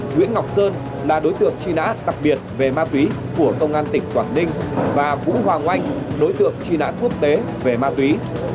nguyễn ngọc sơn là đối tượng chuyên án đặc biệt về ma túy của công an tỉnh quảng ninh và vũ hoàng oanh đối tượng chuyên án quốc tế về ma túy